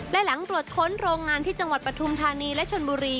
และหลังตรวจค้นโรงงานที่จังหวัดปฐุมธานีและชนบุรี